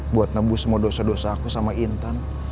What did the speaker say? buat nebu semua dosa dosa aku sama intan